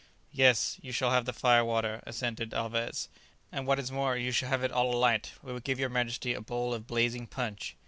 "Yes, you shall have the fire water," assented Alvez, "and what is more, you shall have it all alight. We will give your majesty a bowl of blazing punch."